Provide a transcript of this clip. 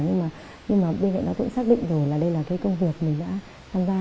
nhưng mà bên cạnh đó tôi cũng xác định được là đây là cái công việc mình đã tham gia